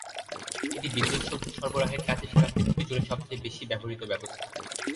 এটি বিদ্যুৎ শক্তি সরবরাহের কাজে সারা পৃথিবী জুড়ে সবচেয়ে বেশি ব্যবহৃত ব্যবস্থা।